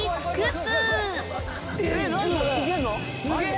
すげえ！